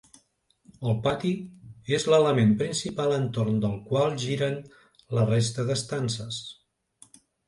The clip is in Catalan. El pati és l'element principal entorn del qual giren la resta d'estances.